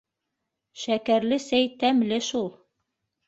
— Шәкәрле сәй тәмле шул.